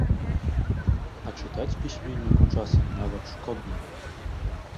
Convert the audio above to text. А чытаць пісьменніку часам нават шкодна.